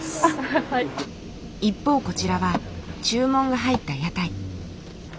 一方こちらは注文が入った屋台。